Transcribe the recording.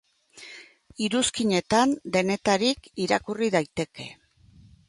Iruzkinetan denetarik irakurri daiteke.